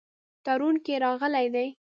تړون کې راغلي دي.